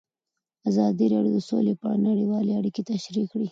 ازادي راډیو د سوله په اړه نړیوالې اړیکې تشریح کړي.